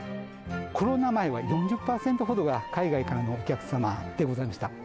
コロナ前は４０％ほどが海外からのお客様でございました。